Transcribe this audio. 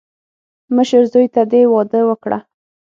مشر زوی ته دې واده وکړه.